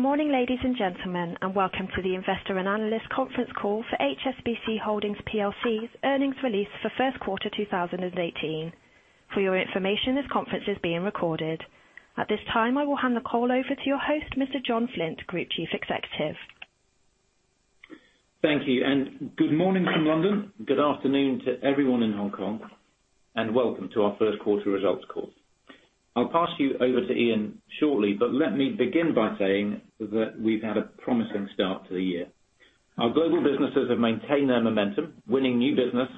Good morning, ladies and gentlemen. Welcome to the Investor and Analyst Conference Call for HSBC Holdings plc's earnings release for first quarter 2018. For your information, this conference is being recorded. At this time, I will hand the call over to your host, Mr. John Flint, Group Chief Executive. Thank you. Good morning from London. Good afternoon to everyone in Hong Kong. Welcome to our first quarter results call. I'll pass you over to Iain shortly. Let me begin by saying that we've had a promising start to the year. Our global businesses have maintained their momentum, winning new business,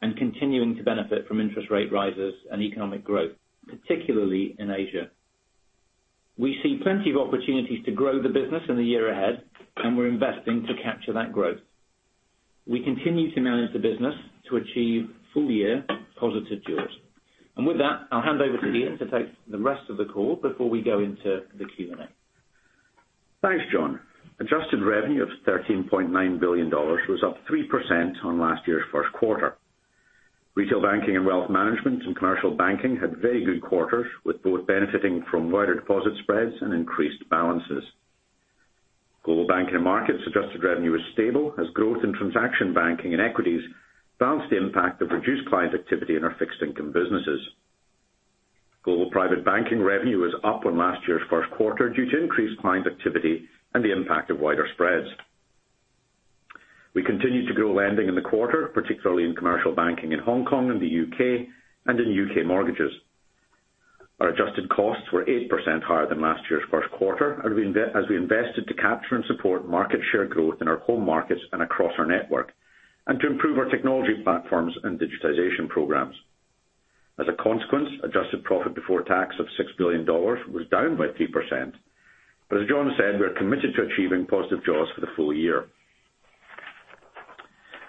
and continuing to benefit from interest rate rises and economic growth, particularly in Asia. We see plenty of opportunities to grow the business in the year ahead. We're investing to capture that growth. We continue to manage the business to achieve full-year positive jaws. With that, I'll hand over to Iain to take the rest of the call before we go into the Q&A. Thanks, John. Adjusted revenue of $13.9 billion was up 3% on last year's first quarter. Retail Banking and Wealth Management and Commercial Banking had very good quarters, with both benefiting from wider deposit spreads and increased balances. Global Banking and Markets adjusted revenue was stable as growth in transaction banking and equities balanced the impact of reduced client activity in our fixed income businesses. Global Private Banking revenue was up on last year's first quarter due to increased client activity and the impact of wider spreads. We continued to grow lending in the quarter, particularly in Commercial Banking in Hong Kong and the U.K., and in U.K. mortgages. Our adjusted costs were 8% higher than last year's first quarter as we invested to capture and support market share growth in our home markets and across our network, and to improve our technology platforms and digitization programs. As a consequence, adjusted profit before tax of $6 billion was down by 3%. As John said, we're committed to achieving positive jaws for the full year.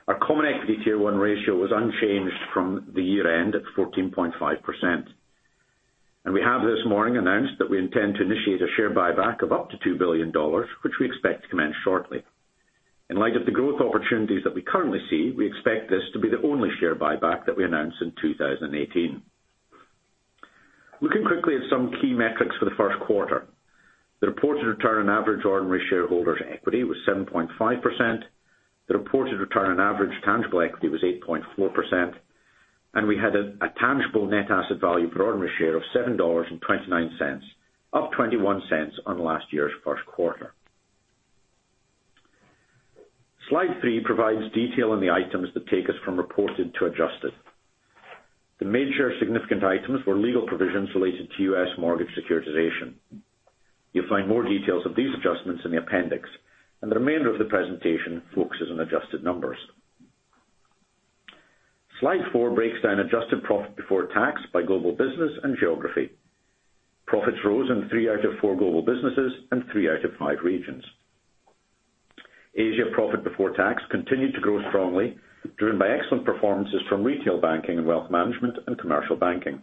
Our common equity tier 1 ratio was unchanged from the year-end at 14.5%. We have this morning announced that we intend to initiate a share buyback of up to $2 billion, which we expect to commence shortly. In light of the growth opportunities that we currently see, we expect this to be the only share buyback that we announce in 2018. Looking quickly at some key metrics for the first quarter. The reported return on average ordinary shareholders' equity was 7.5%. The reported return on average tangible equity was 8.4%, and we had a tangible net asset value per ordinary share of $7.29, up $0.21 on last year's first quarter. Slide three provides detail on the items that take us from reported to adjusted. The major significant items were legal provisions related to U.S. mortgage securitization. You'll find more details of these adjustments in the appendix, and the remainder of the presentation focuses on adjusted numbers. Slide four breaks down adjusted profit before tax by global business and geography. Profits rose in three out of four global businesses and three out of five regions. Asia profit before tax continued to grow strongly, driven by excellent performances from Retail Banking and Wealth Management and Commercial Banking.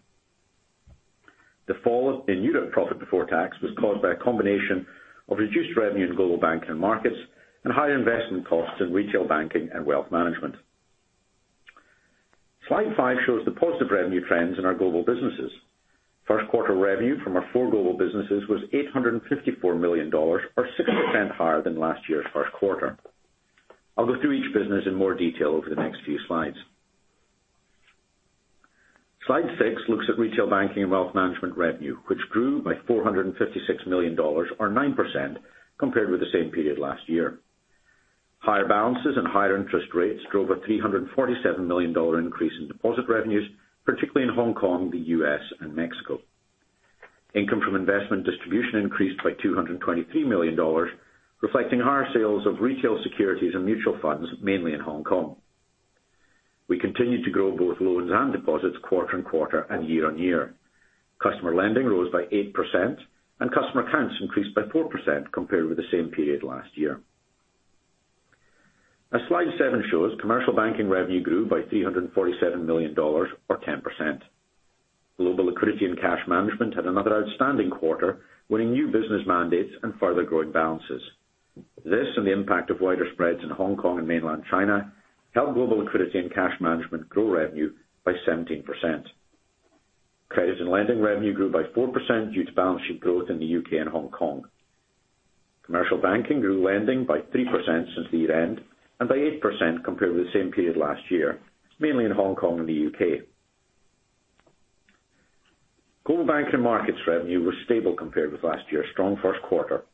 The fall in unit profit before tax was caused by a combination of reduced revenue in Global Banking and Markets, and higher investment costs in Retail Banking and Wealth Management. Slide five shows the positive revenue trends in our global businesses. First quarter revenue from our four global businesses was $854 million, or 6% higher than last year's first quarter. I'll go through each business in more detail over the next few slides. Slide six looks at Retail Banking and Wealth Management revenue, which grew by $456 million, or 9% compared with the same period last year. Higher balances and higher interest rates drove a $347 million increase in deposit revenues, particularly in Hong Kong, the U.S., and Mexico. Income from investment distribution increased by $223 million, reflecting higher sales of retail securities and mutual funds, mainly in Hong Kong. We continued to grow both loans and deposits quarter-on-quarter and year-on-year. Customer lending rose by 8% and customer accounts increased by 4% compared with the same period last year. As slide seven shows, Commercial Banking revenue grew by $347 million or 10%. Global liquidity and cash management had another outstanding quarter, winning new business mandates and further growing balances. This and the impact of wider spreads in Hong Kong and mainland China helped global liquidity and cash management grow revenue by 17%. Credit and lending revenue grew by 4% due to balance sheet growth in the U.K. and Hong Kong. Commercial Banking grew lending by 3% since the year-end and by 8% compared with the same period last year, mainly in Hong Kong and the U.K. Global Banking and Markets revenue was stable compared with last year's strong first quarter.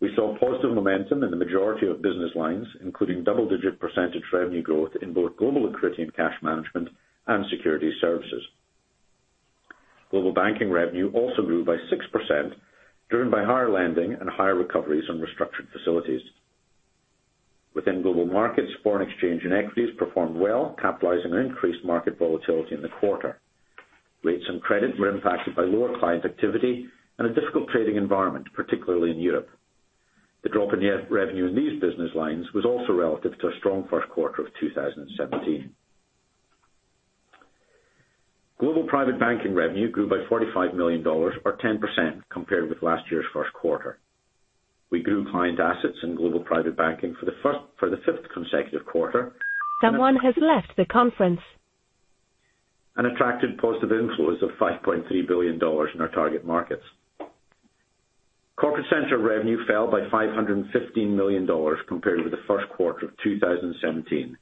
We saw positive momentum in the majority of business lines, including double-digit percentage revenue growth in both global liquidity and cash management and Securities Services. Global Banking revenue also grew by 6%, driven by higher lending and higher recoveries on restructured facilities. Within Global Markets, foreign exchange and equities performed well, capitalizing on increased market volatility in the quarter. Rates and credit were impacted by lower client activity and a difficult trading environment, particularly in Europe. The drop in revenue in these business lines was also relative to a strong first quarter of 2017. Global Private Banking revenue grew by $45 million or 10% compared with last year's first quarter. We grew client assets in Global Private Banking for the fifth consecutive quarter. Someone has left the conference Attracted positive inflows of $5.3 billion in our target markets. Corporate center revenue fell by $515 million compared with the first quarter of 2017.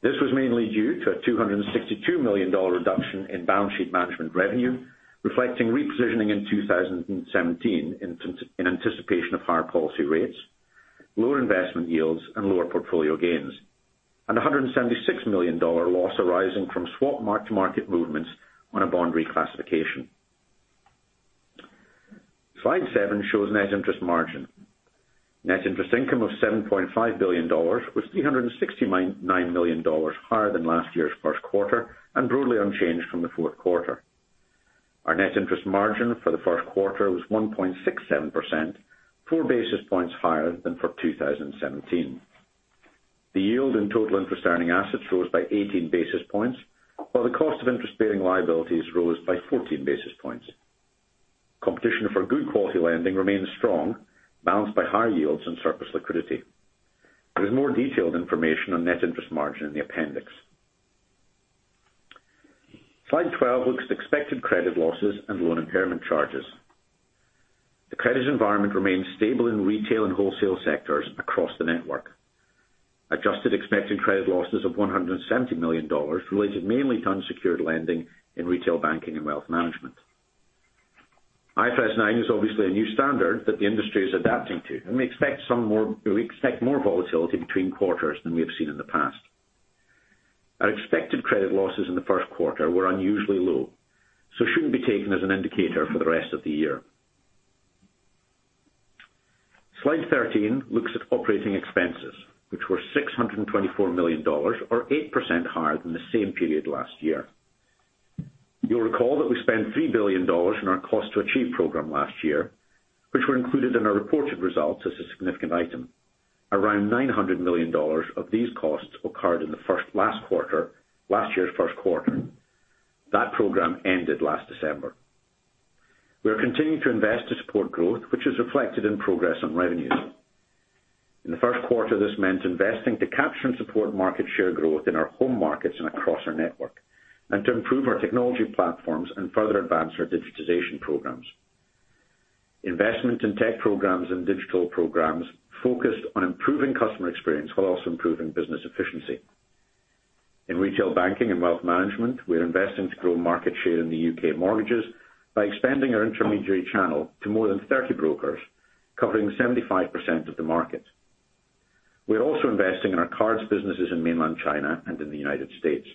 This was mainly due to a $262 million reduction in balance sheet management revenue, reflecting repositioning in 2017 in anticipation of higher policy rates, lower investment yields, and lower portfolio gains, and $176 million loss arising from swap mark-to-market movements on a bond reclassification. Slide seven shows net interest margin. Net interest income of $7.5 billion was $369 million higher than last year's first quarter and broadly unchanged from the fourth quarter. Our net interest margin for the first quarter was 1.67%, four basis points higher than for 2017. The yield in total interest earning assets rose by 18 basis points, while the cost of interest-bearing liabilities rose by 14 basis points. Competition for good quality lending remains strong, balanced by higher yields and surplus liquidity. There is more detailed information on net interest margin in the appendix. Slide 12 looks at expected credit losses and loan impairment charges. The credit environment remains stable in retail and wholesale sectors across the network. Adjusted expected credit losses of $170 million related mainly to unsecured lending in Retail Banking and Wealth Management. IFRS 9 is obviously a new standard that the industry is adapting to, and we expect more volatility between quarters than we have seen in the past. Our expected credit losses in the first quarter were unusually low, so shouldn't be taken as an indicator for the rest of the year. Slide 13 looks at operating expenses, which were $624 million or 8% higher than the same period last year. You'll recall that we spent $3 billion in our Cost to Achieve program last year, which were included in our reported results as a significant item. Around $900 million of these costs occurred in last year's first quarter. That program ended last December. We are continuing to invest to support growth, which is reflected in progress on revenues. In the first quarter, this meant investing to capture and support market share growth in our home markets and across our network and to improve our technology platforms and further advance our digitization programs. Investment in tech programs and digital programs focused on improving customer experience while also improving business efficiency. In Retail Banking and Wealth Management, we're investing to grow market share in the U.K. mortgages by expanding our intermediary channel to more than 30 brokers, covering 75% of the market. We're also investing in our cards businesses in mainland China and in the United States.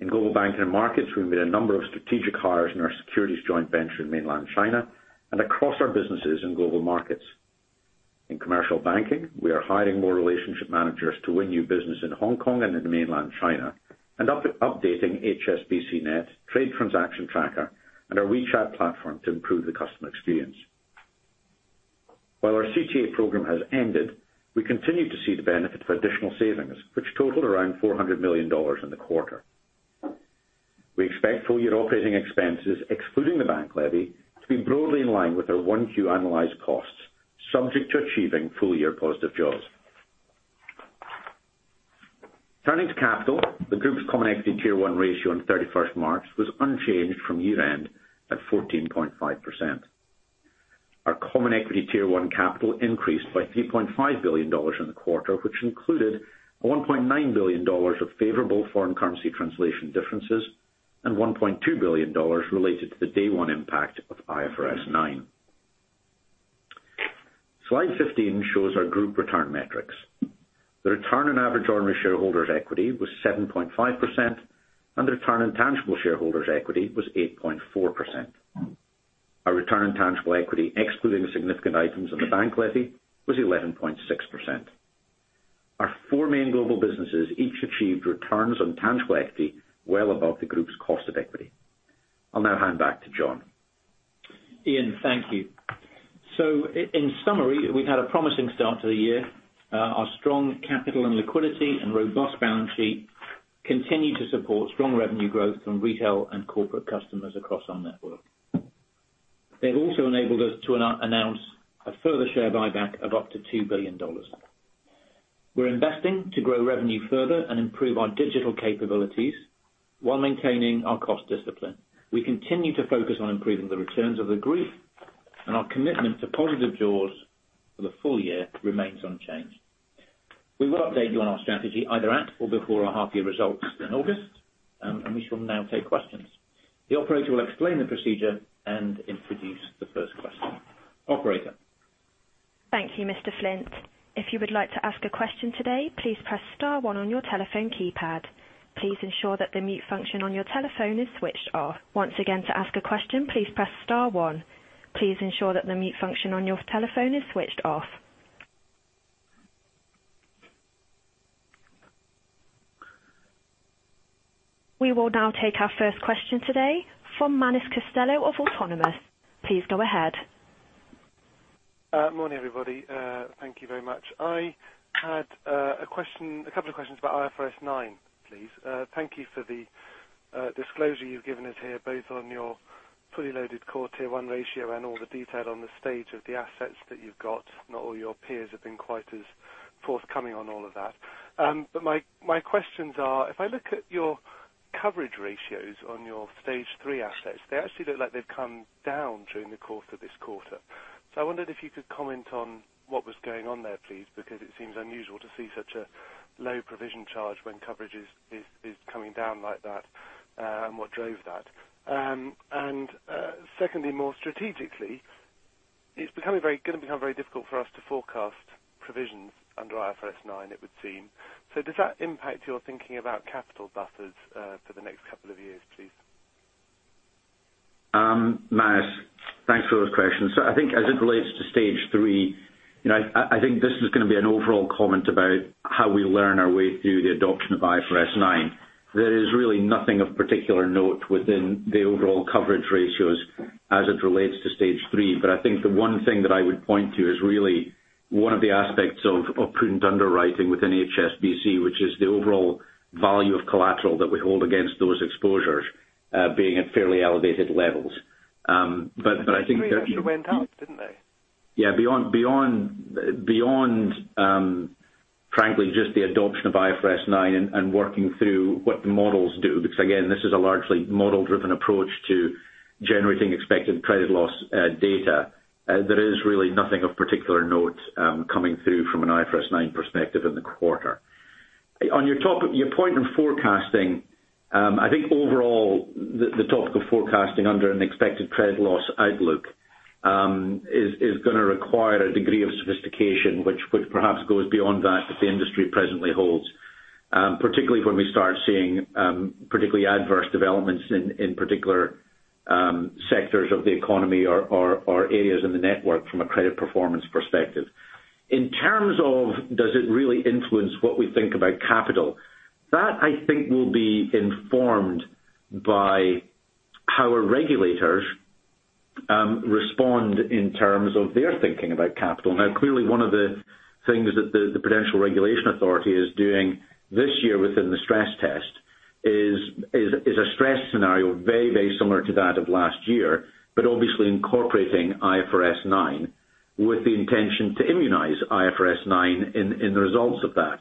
In Global Banking and Markets, we've made a number of strategic hires in our securities joint venture in mainland China and across our businesses in global markets. In Commercial Banking, we are hiring more relationship managers to win new business in Hong Kong and in mainland China and updating HSBCnet, Trade Transaction Tracker, and our WeChat platform to improve the customer experience. While our CTA program has ended, we continue to see the benefit of additional savings, which totaled around $400 million in the quarter. We expect full-year operating expenses, excluding the bank levy, to be broadly in line with our one Q annualized costs, subject to achieving full-year positive jaws. Turning to capital, the group's common equity tier one ratio on 31st March was unchanged from year-end at 14.5%. Our common equity tier one capital increased by $3.5 billion in the quarter, which included $1.9 billion of favorable foreign currency translation differences and $1.2 billion related to the day one impact of IFRS 9. Slide 15 shows our group return metrics. The return on average ordinary shareholders' equity was 7.5%, and the return on tangible shareholders' equity was 8.4%. Our return on tangible equity, excluding the significant items in the bank levy, was 11.6%. Our four main global businesses each achieved returns on tangible equity well above the group's cost of equity. I'll now hand back to John. Iain, thank you. In summary, we've had a promising start to the year. Our strong capital and liquidity and robust balance sheet continue to support strong revenue growth from retail and corporate customers across our network. They've also enabled us to announce a further share buyback of up to $2 billion. We're investing to grow revenue further and improve our digital capabilities while maintaining our cost discipline. We continue to focus on improving the returns of the group, and our commitment to positive jaws for the full year remains unchanged. We will update you on our strategy either at or before our half-year results in August. We shall now take questions. The operator will explain the procedure and introduce the first question. Operator? Thank you, Mr. Flint. If you would like to ask a question today, please press star one on your telephone keypad. Please ensure that the mute function on your telephone is switched off. Once again, to ask a question, please press star one. Please ensure that the mute function on your telephone is switched off. We will now take our first question today from Manus Costello of Autonomous. Please go ahead. Morning, everybody. Thank you very much. I had a couple of questions about IFRS 9, please. Thank you for the Disclosure you've given us here, both on your fully loaded core Tier 1 ratio and all the detail on the stage of the assets that you've got. Not all your peers have been quite as forthcoming on all of that. My questions are, if I look at your coverage ratios on your Stage 3 assets, they actually look like they've come down during the course of this quarter. I wondered if you could comment on what was going on there, please, because it seems unusual to see such a low provision charge when coverage is coming down like that, and what drove that. Secondly, more strategically, it's going to become very difficult for us to forecast provisions under IFRS 9, it would seem. Does that impact your thinking about capital buffers for the next couple of years, please? Manus, thanks for those questions. I think as it relates to Stage 3, I think this is going to be an overall comment about how we learn our way through the adoption of IFRS 9. There is really nothing of particular note within the overall coverage ratios as it relates to Stage 3. I think the one thing that I would point to is really one of the aspects of prudent underwriting within HSBC, which is the overall value of collateral that we hold against those exposures being at fairly elevated levels. Stage 3 actually went up, didn't they? Yeah. Beyond, frankly, just the adoption of IFRS 9 and working through what the models do, because again, this is a largely model-driven approach to generating expected credit loss data. There is really nothing of particular note coming through from an IFRS 9 perspective in the quarter. On your point on forecasting, I think overall, the topic of forecasting under an expected credit loss outlook is going to require a degree of sophistication which perhaps goes beyond that which the industry presently holds. Particularly when we start seeing particularly adverse developments in particular sectors of the economy or areas in the network from a credit performance perspective. In terms of does it really influence what we think about capital, that I think will be informed by how our regulators respond in terms of their thinking about capital. Clearly one of the things that the Prudential Regulation Authority is doing this year within the stress test is a stress scenario very similar to that of last year, but obviously incorporating IFRS 9 with the intention to immunize IFRS 9 in the results of that.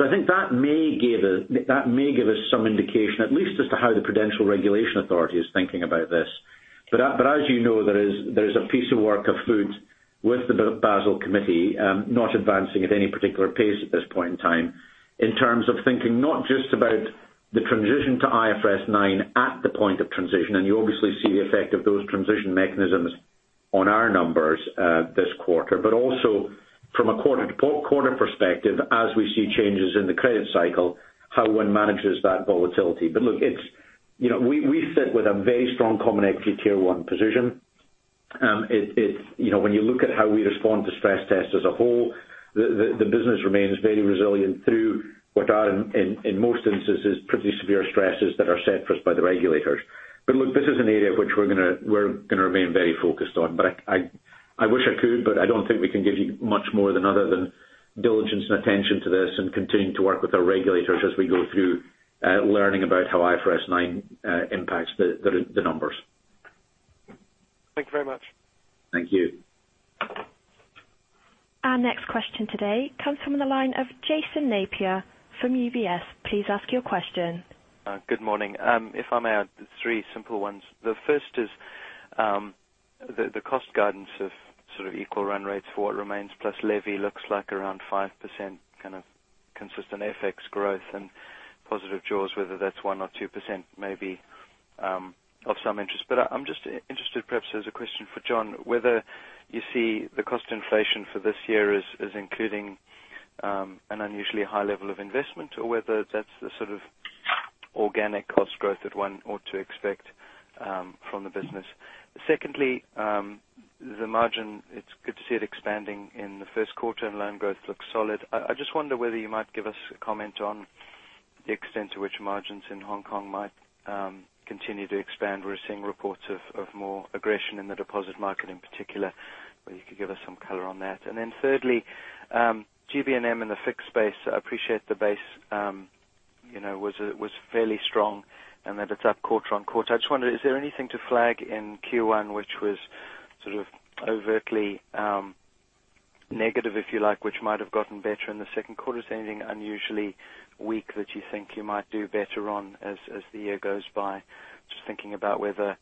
I think that may give us some indication, at least as to how the Prudential Regulation Authority is thinking about this. As you know, there is a piece of work afoot with the Basel Committee, not advancing at any particular pace at this point in time, in terms of thinking not just about the transition to IFRS 9 at the point of transition, and you obviously see the effect of those transition mechanisms on our numbers this quarter, but also from a quarter perspective, as we see changes in the credit cycle, how one manages that volatility. Look, we sit with a very strong Common Equity Tier 1 position. When you look at how we respond to stress tests as a whole, the business remains very resilient through what are, in most instances, pretty severe stresses that are set for us by the regulators. Look, this is an area which we're going to remain very focused on. I wish I could, but I don't think we can give you much more other than diligence and attention to this and continuing to work with our regulators as we go through learning about how IFRS 9 impacts the numbers. Thank you very much. Thank you. Our next question today comes from the line of Jason Napier from UBS. Please ask your question. Good morning. If I may, I have three simple ones. The first is the cost guidance of equal run rates for what remains plus levy looks like around 5% kind of consistent FX growth and positive jaws, whether that's 1% or 2% maybe of some interest. I'm just interested, perhaps as a question for John, whether you see the cost inflation for this year as including an unusually high level of investment or whether that's the sort of organic cost growth that one ought to expect from the business. Secondly, the margin. It's good to see it expanding in the first quarter and loan growth looks solid. I just wonder whether you might give us a comment on the extent to which margins in Hong Kong might continue to expand. We're seeing reports of more aggression in the deposit market in particular, whether you could give us some color on that. Thirdly, GB&M in the fixed space. I appreciate the base was fairly strong and that it's up quarter-on-quarter. I just wonder, is there anything to flag in Q1 which was sort of overtly negative, if you like, which might have gotten better in the second quarter? Is there anything unusually weak that you think you might do better on as the year goes by? Just thinking about whether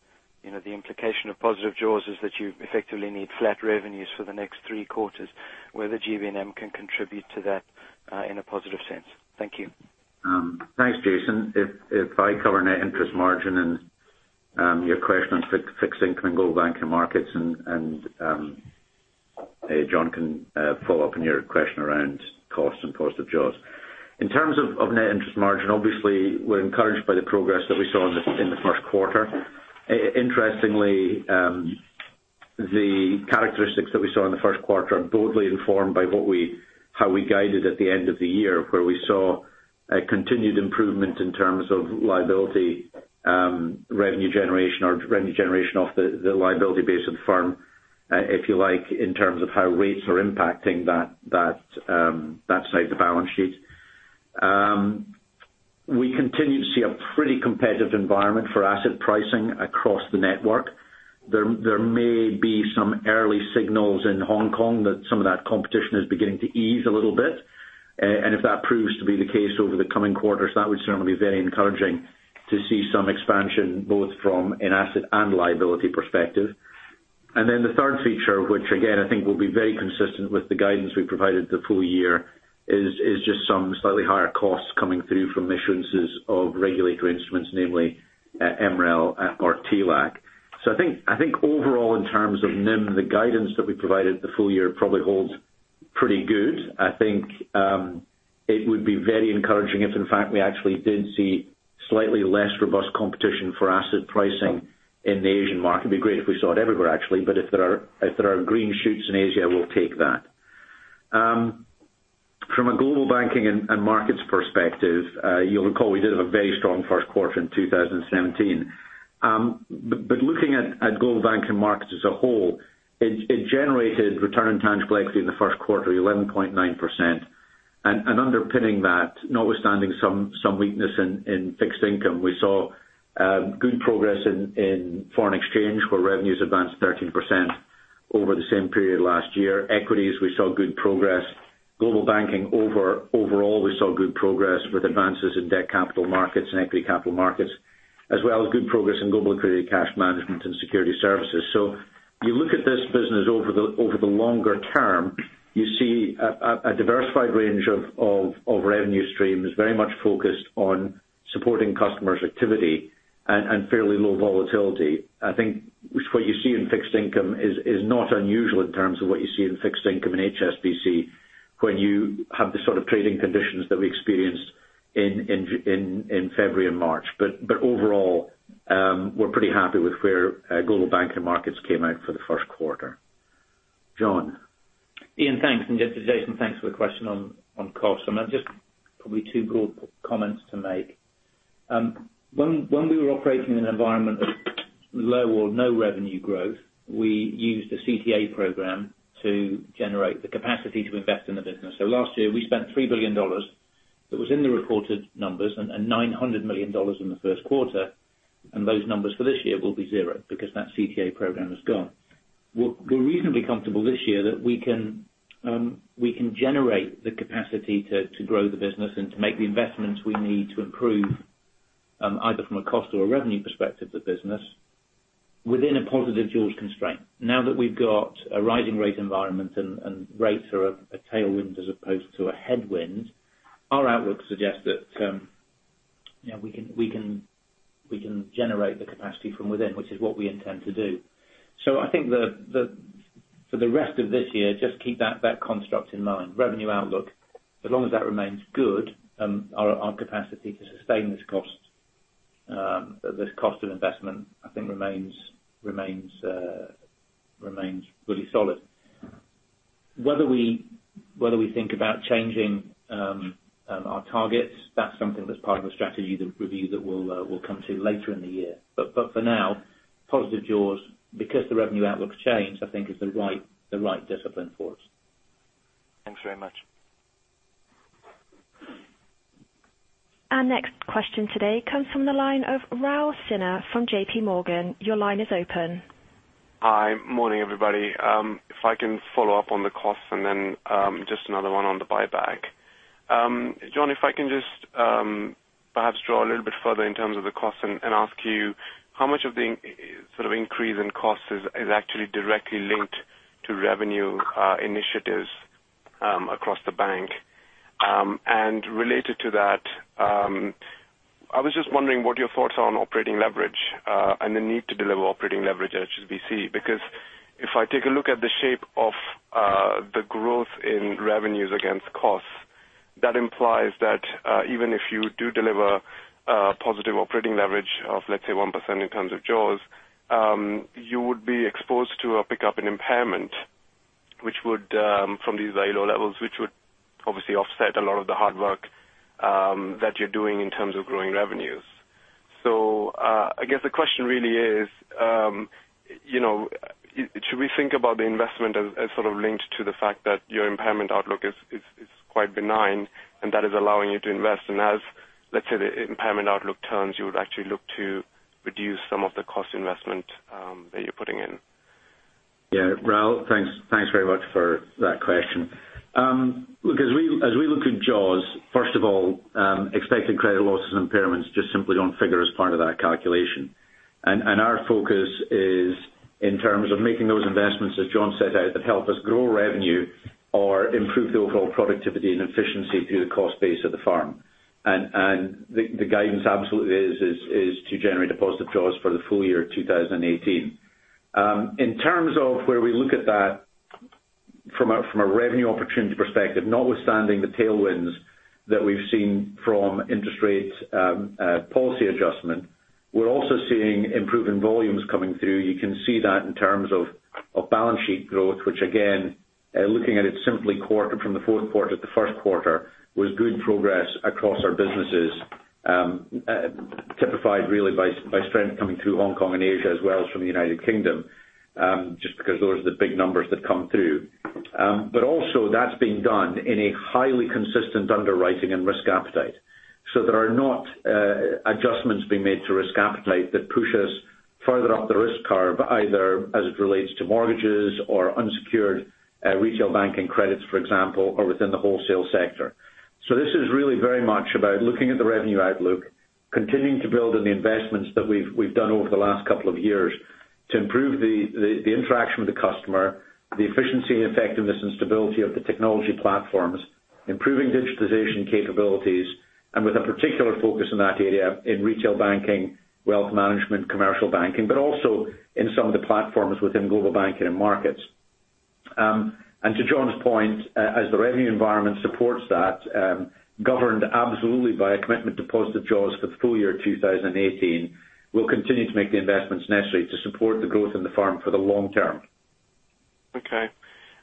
the implication of positive jaws is that you effectively need flat revenues for the next three quarters, whether GB&M can contribute to that in a positive sense. Thank you. Thanks, Jason. I cover net interest margin and your question on fixed income and Global Banking and Markets. John can follow up on your question around costs and positive jaws. In terms of net interest margin, obviously, we are encouraged by the progress that we saw in the first quarter. Interestingly, the characteristics that we saw in the first quarter are boldly informed by how we guided at the end of the year, where we saw a continued improvement in terms of revenue generation off the liability base of the firm. If you like, in terms of how rates are impacting that side of the balance sheet. We continue to see a pretty competitive environment for asset pricing across the network. There may be some early signals in Hong Kong that some of that competition is beginning to ease a little bit. If that proves to be the case over the coming quarters, that would certainly be very encouraging to see some expansion, both from an asset and liability perspective. The third feature, which again, I think will be very consistent with the guidance we provided the full year, is just some slightly higher costs coming through from issuances of regulatory instruments, namely MREL or TLAC. I think overall in terms of NIM, the guidance that we provided the full year probably holds pretty good. I think it would be very encouraging if, in fact, we actually did see slightly less robust competition for asset pricing in the Asian market. It would be great if we saw it everywhere, actually. If there are green shoots in Asia, we will take that. From a Global Banking and Markets perspective, you will recall we did have a very strong first quarter in 2017. Looking at Global Banking and Markets as a whole, it generated return on tangible equity in the first quarter, 11.9%. Underpinning that, notwithstanding some weakness in fixed income, we saw good progress in foreign exchange, where revenues advanced 13% over the same period last year. Equities, we saw good progress. Global banking overall, we saw good progress with advances in debt capital markets and equity capital markets, as well as good progress in global liquidity and cash management and Securities Services. You look at this business over the longer term, you see a diversified range of revenue streams very much focused on supporting customers' activity and fairly low volatility. I think what you see in fixed income is not unusual in terms of what you see in fixed income in HSBC, when you have the sort of trading conditions that we experienced in February and March. Overall, we are pretty happy with where Global Banking and Markets came out for the first quarter. John? Iain, thanks. Jason, thanks for the question on costs. I mean, just probably two broad comments to make. When we were operating in an environment of low or no revenue growth, we used a Cost to Achieve program to generate the capacity to invest in the business. Last year, we spent $3 billion. It was in the reported numbers and $900 million in the First Quarter, and those numbers for this year will be zero because that Cost to Achieve program has gone. We're reasonably comfortable this year that we can generate the capacity to grow the business and to make the investments we need to improve, either from a cost or a revenue perspective of the business, within a positive jaws constraint. That we've got a rising rate environment and rates are a tailwind as opposed to a headwind, our outlook suggests that we can generate the capacity from within, which is what we intend to do. I think for the rest of this year, just keep that construct in mind. Revenue outlook, as long as that remains good, our capacity to sustain this cost of investment, I think remains really solid. Whether we think about changing our targets, that's something that's part of the strategy review that we'll come to later in the year. For now, positive jaws, because the revenue outlook's changed, I think is the right discipline for us. Thanks very much. Our next question today comes from the line of Raul Sinha from J.P. Morgan. Your line is open. Hi. Morning, everybody. If I can follow up on the costs and then just another one on the buyback. John, if I can just perhaps draw a little bit further in terms of the costs and ask you how much of the increase in costs is actually directly linked to revenue initiatives across the bank? Related to that, I was just wondering what your thoughts are on operating leverage, and the need to deliver operating leverage at HSBC. If I take a look at the shape of the growth in revenues against costs, that implies that even if you do deliver a positive operating leverage of, let's say, 1% in terms of jaws, you would be exposed to a pickup in impairment from these very low levels, which would obviously offset a lot of the hard work that you're doing in terms of growing revenues. I guess the question really is, should we think about the investment as sort of linked to the fact that your impairment outlook is quite benign and that is allowing you to invest. As, let's say, the impairment outlook turns, you would actually look to reduce some of the cost investment that you're putting in. Yeah. Raul, thanks very much for that question. Look, as we look at jaws, first of all, expected credit losses and impairments just simply don't figure as part of that calculation. Our focus is in terms of making those investments, as John set out, that help us grow revenue or improve the overall productivity and efficiency through the cost base of the firm. The guidance absolutely is to generate a positive jaws for the full year 2018. In terms of where we look at that from a revenue opportunity perspective, notwithstanding the tailwinds that we've seen from interest rates policy adjustment, we're also seeing improvement volumes coming through. You can see that in terms of balance sheet growth, which again, looking at it simply quarter from the fourth quarter to the first quarter, was good progress across our businesses. Typified really by strength coming through Hong Kong and Asia, as well as from the United Kingdom, just because those are the big numbers that come through. Also that's being done in a highly consistent underwriting and risk appetite. There are not adjustments being made to risk appetite that push us further up the risk curve, either as it relates to mortgages or unsecured retail banking credits, for example, or within the wholesale sector. This is really very much about looking at the revenue outlook, continuing to build on the investments that we've done over the last couple of years to improve the interaction with the customer, the efficiency, effectiveness, and stability of the technology platforms. Improving digitization capabilities, with a particular focus on that area in Retail Banking and Wealth Management, Commercial Banking, but also in some of the platforms within Global Banking and Markets. To John's point, as the revenue environment supports that, governed absolutely by a commitment to positive jaws for the full year 2018, we'll continue to make the investments necessary to support the growth in the firm for the long term. Okay.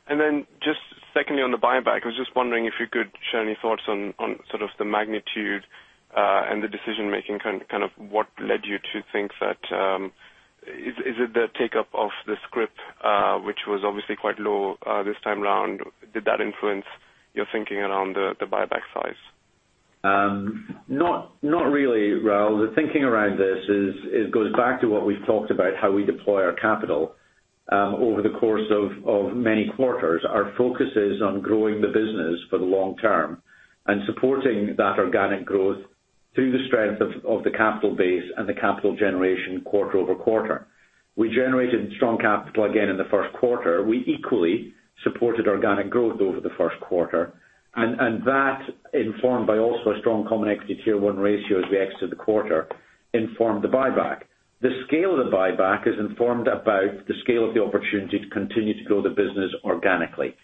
Then just secondly, on the buyback, I was just wondering if you could share any thoughts on the magnitude, and the decision making. What led you to think, is it the take-up of the scrip, which was obviously quite low this time around? Did that influence your thinking around the buyback size? Not really, Raul. The thinking around this goes back to what we've talked about how we deploy our capital, over the course of many quarters. Our focus is on growing the business for the long term and supporting that organic growth through the strength of the capital base and the capital generation quarter over quarter. We generated strong capital again in the first quarter. We equally supported organic growth over the first quarter. That informed by also a strong Common Equity Tier 1 ratio as we exited the quarter, informed the buyback. The scale of the buyback is informed about the scale of the opportunity to continue to grow the business organically.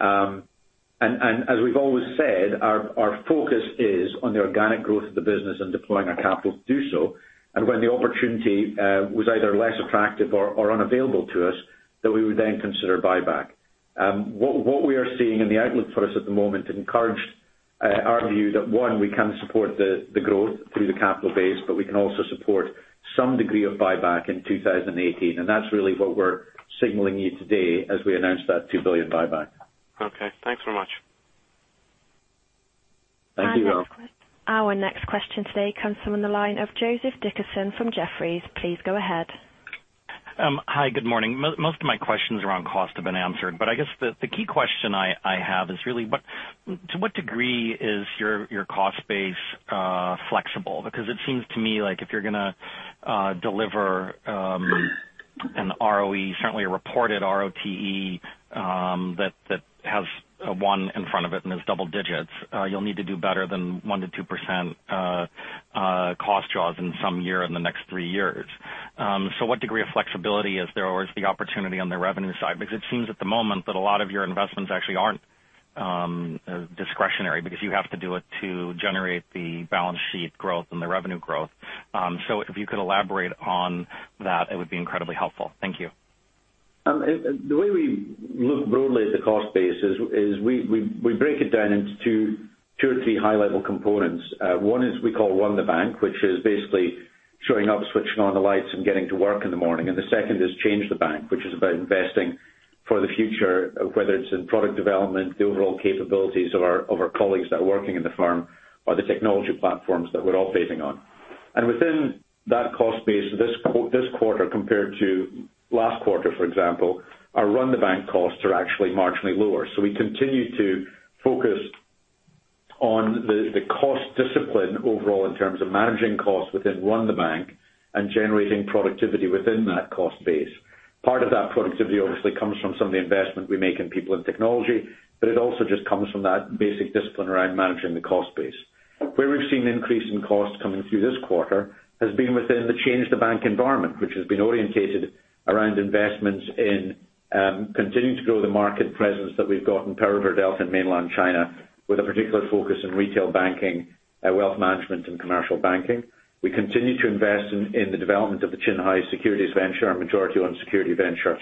As we've always said, our focus is on the organic growth of the business and deploying our capital to do so. When the opportunity was either less attractive or unavailable to us, then we would consider buyback. What we are seeing in the outlook for us at the moment encouraged our view that one, we can support the growth through the capital base, but we can also support some degree of buyback in 2018. That's really what we're signaling you today as we announce that $2 billion buyback. Okay. Thanks very much. Thank you, Raul. Our next question today comes from the line of Joseph Dickerson from Jefferies. Please go ahead. Hi, good morning. Most of my questions around cost have been answered. I guess the key question I have is really to what degree is your cost base flexible? It seems to me if you're going to deliver an ROE, certainly a reported ROTE, that has a one in front of it and is double digits, you'll need to do better than 1%-2% cost jaws in some year in the next three years. What degree of flexibility is there, or is the opportunity on the revenue side? It seems at the moment that a lot of your investments actually aren't discretionary because you have to do it to generate the balance sheet growth and the revenue growth. If you could elaborate on that, it would be incredibly helpful. Thank you. The way we look broadly at the cost base is we break it down into 2 or 3 high-level components. One is we call run the bank, which is basically showing up, switching on the lights, and getting to work in the morning. The second is change the bank, which is about investing for the future, whether it's in product development, the overall capabilities of our colleagues that are working in the firm, or the technology platforms that we're all basing on. Within that cost base this quarter compared to last quarter, for example, our run the bank costs are actually marginally lower. We continue to focus on the cost discipline overall in terms of managing costs within run the bank and generating productivity within that cost base. Part of that productivity obviously comes from some of the investment we make in people and technology, but it also just comes from that basic discipline around managing the cost base. Where we've seen increase in cost coming through this quarter has been within the change the bank environment, which has been orientated around investments in continuing to grow the market presence that we've got in Pearl River Delta and mainland China, with a particular focus in Retail Banking and Wealth Management, and Commercial Banking. We continue to invest in the development of the Qianhai securities venture, our majority-owned securities venture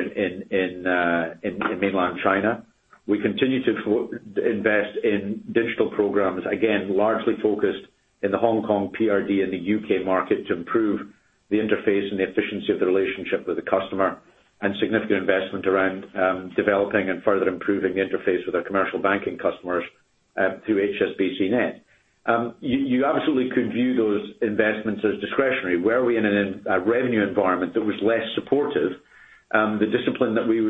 in mainland China. We continue to invest in digital programs, again, largely focused in the Hong Kong PRD and the U.K. market to improve the interface and the efficiency of the relationship with the customer, and significant investment around developing and further improving the interface with our Commercial Banking customers through HSBCnet. You absolutely could view those investments as discretionary. Were we in a revenue environment that was less supportive, the discipline that we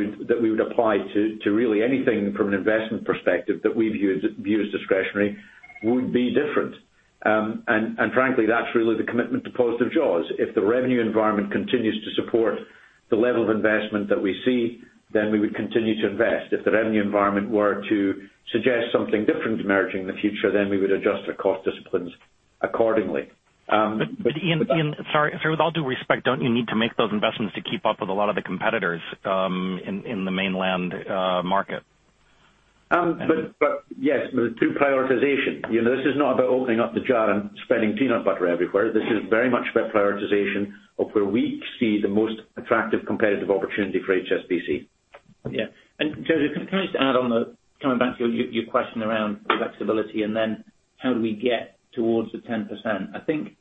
would apply to really anything from an investment perspective that we view as discretionary would be different. Frankly, that's really the commitment to positive jaws. If the revenue environment continues to support the level of investment that we see, then we would continue to invest. If the revenue environment were to suggest something different emerging in the future, then we would adjust our cost disciplines accordingly. Iain, sorry. With all due respect, don't you need to make those investments to keep up with a lot of the competitors in the mainland market? Yes, but through prioritization. This is not about opening up the jar and spreading peanut butter everywhere. This is very much about prioritization of where we see the most attractive competitive opportunity for HSBC. Yeah. Joseph, can I just add on the, coming back to your question around flexibility and then how do we get towards the 10%? I think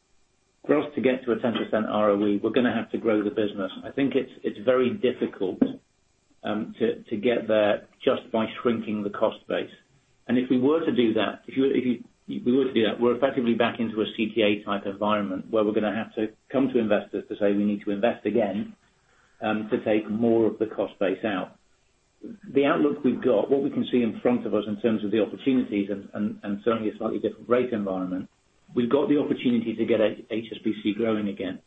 for us to get to a 10% ROE, we're going to have to grow the business. I think it's very difficult to get there just by shrinking the cost base. If we were to do that, we're effectively back into a CTA type environment, where we're going to have to come to investors to say we need to invest again, to take more of the cost base out. The outlook we've got, what we can see in front of us in terms of the opportunities and certainly a slightly different rate environment, we've got the opportunity to get HSBC growing again.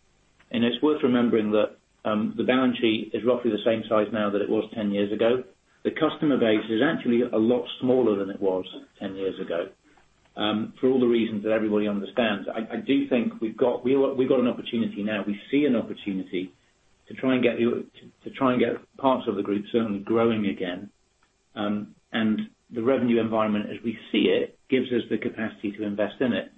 It's worth remembering that the balance sheet is roughly the same size now that it was 10 years ago. The customer base is actually a lot smaller than it was 10 years ago. For all the reasons that everybody understands, I do think we've got an opportunity now. We see an opportunity to try and get parts of the group certainly growing again. The revenue environment as we see it, gives us the capacity to invest in it.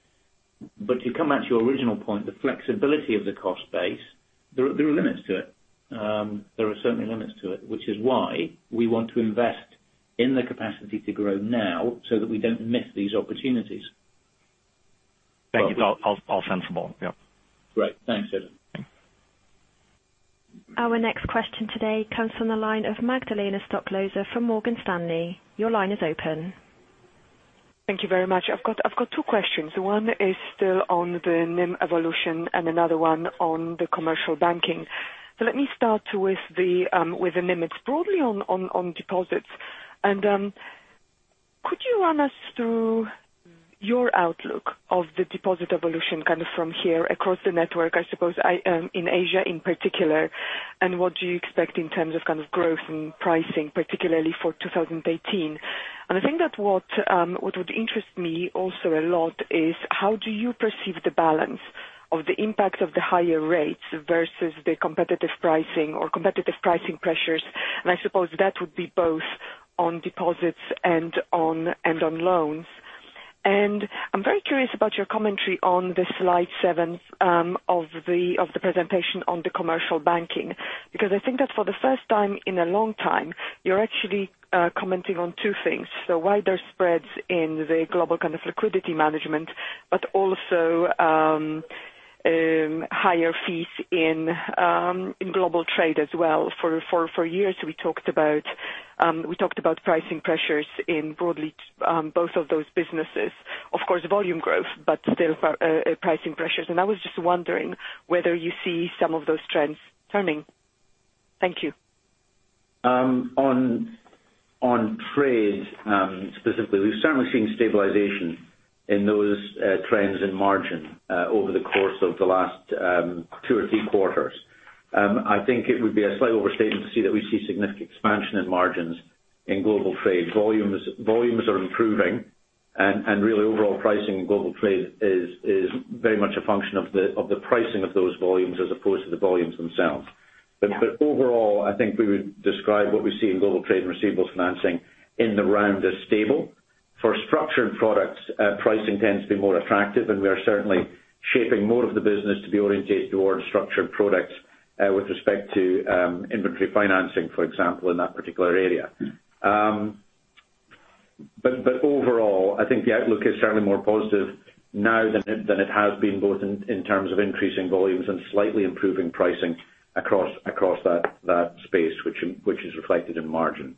To come back to your original point, the flexibility of the cost base, there are limits to it. There are certainly limits to it. Which is why we want to invest in the capacity to grow now, so that we don't miss these opportunities. Thank you. All sensible. Yep. Great. Thanks, Joseph. Thanks. Our next question today comes from the line of Magdalena Stoklosa from Morgan Stanley. Your line is open. Thank you very much. I've got two questions. One is still on the NIM evolution and another one on the Commercial Banking. Let me start with the NIM. It's broadly on deposits. Could you run us through your outlook of the deposit evolution kind of from here across the network, I suppose in Asia in particular, and what do you expect in terms of kind of growth and pricing, particularly for 2018? I think that what would interest me also a lot is how do you perceive the balance of the impact of the higher rates versus the competitive pricing pressures? I suppose that would be both on deposits and on loans. I'm very curious about your commentary on the slide seven of the presentation on the Commercial Banking. I think that for the first time in a long time, you're actually commenting on two things. Wider spreads in the global liquidity and cash management, but also higher fees in global trade as well. For years we talked about pricing pressures in broadly both of those businesses. Of course, volume growth, but still pricing pressures. I was just wondering whether you see some of those trends turning. Thank you. On trade, specifically, we've certainly seen stabilization in those trends in margin over the course of the last two or three quarters. I think it would be a slight overstatement to see that we see significant expansion in margins in global trade. Volumes are improving and really overall pricing in global trade is very much a function of the pricing of those volumes as opposed to the volumes themselves. Yeah. Overall, I think we would describe what we see in global trade and receivables financing in the round as stable. For structured products, pricing tends to be more attractive, and we are certainly shaping more of the business to be orientated towards structured products with respect to inventory financing, for example, in that particular area. Overall, I think the outlook is certainly more positive now than it has been, both in terms of increasing volumes and slightly improving pricing across that space, which is reflected in margin.